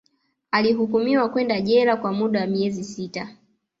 Alihukumiwa kwenda jela kwa muda wa miezi sita